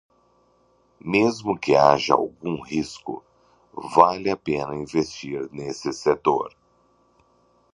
Mesmo que haja algum risco, vale a pena investir nesse setor.